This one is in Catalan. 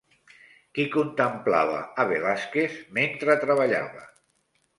Qui contemplava a Velázquez mentre treballava?